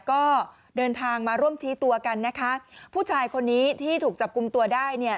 ก็เดินทางมาร่วมชี้ตัวกันนะคะผู้ชายคนนี้ที่ถูกจับกลุ่มตัวได้เนี่ย